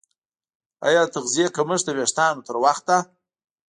ایا د تغذیې کمښت د ویښتانو تر وخته